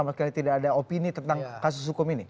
sama sekali tidak ada opini tentang kasus hukum ini